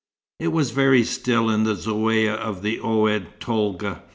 It was very still in the Zaouïa of Oued Tolga.